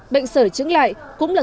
bệnh sởi chứng lại cũng là